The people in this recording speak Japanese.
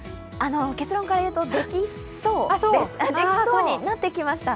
結論から言うと、できそうになってきました。